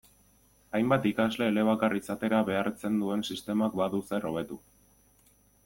Hainbat ikasle elebakar izatera behartzen duen sistemak badu zer hobetu.